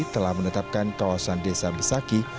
telah menetapkan kawasan desa besaki